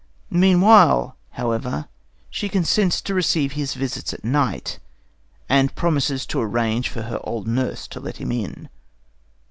Meanwhile, however, she consents to receive his visits at night, and promises to arrange for her old nurse to let him in.